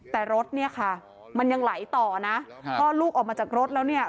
แต่รถเนี่ยค่ะมันยังไหลต่อนะคลอดลูกออกมาจากรถแล้วเนี่ย